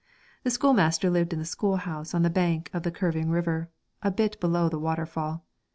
The schoolmaster lived in the schoolhouse on the bank of the curving river, a bit below the waterfall.